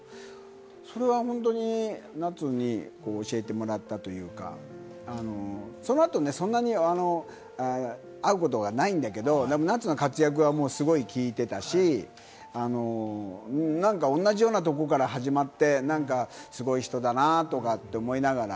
それは本当に夏に教えてもらったというか、その後、そんなに会うことはないんだけれども、でも夏の活躍はすごい聞いてたし、なんか同じようなところから始まって、すごい人だなとかって思いながら。